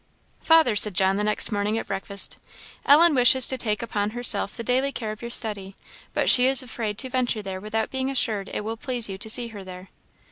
"Father," said John, the next morning at breakfast, "Ellen wishes to take upon herself the daily care of your study, but she is afraid to venture there without being assured it will please you to see her there."